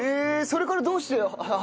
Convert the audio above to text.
それからどうして畑に。